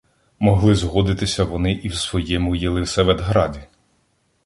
Могли згодитися вони і в самому Єлисаветграді.